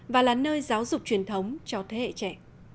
và là nơi giáo dục truyền thống cho thế hệ trẻ